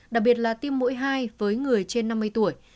đặc biệt là tiêm mũi hai với người trên năm mươi tuổi